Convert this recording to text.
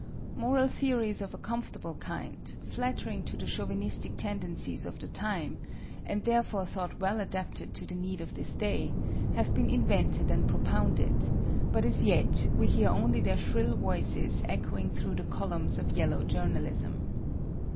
Moral theories of a comfortable kind, flattering to the Chauvinistic tendencies of the time, and therefore thought well adapted to the need of this day, have been invented and propounded; but as yet we hear only their shrill voices echoing through the columns of yellow journalism.